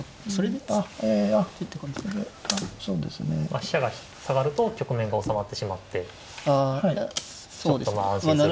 飛車が下がると局面が収まってしまってちょっと安心する。